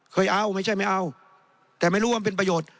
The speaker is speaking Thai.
เคยเอาไม่ใช่ไม่เอาแต่ไม่รู้ว่ามันเป็นประโยชน์